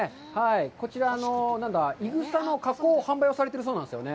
こちら、いぐさの加工販売をされてるそうなんですね。